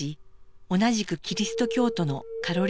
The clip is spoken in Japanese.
同じくキリスト教徒のカロリニアン。